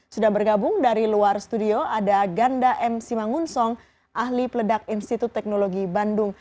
sudah bergabung dari luar studio ada ganda m simangunsong ahli peledak institut teknologi bandung